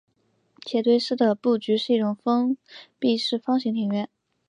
杰堆寺的布局是一封闭式方形庭院。